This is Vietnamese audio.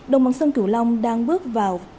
đồng bằng sông kiểu long đang bước vào